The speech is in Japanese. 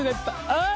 あっ。